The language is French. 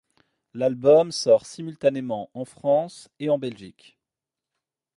L'album sort simultanément en France et en Belgique.